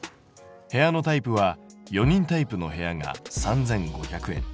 部屋のタイプは４人タイプの部屋が３５００円。